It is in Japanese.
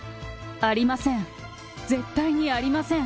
ありません！